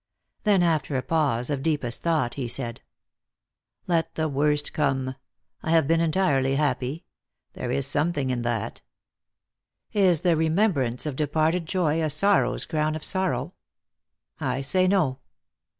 Then after a pause of deepest thought, he said :" Let the worst come, I have been entirely happy. There is something in that. Is the remembrance of departed joy a sorrow's crown of sorrow? I say no.